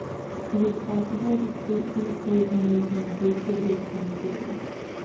It is possible to treat the equation using perturbation theory.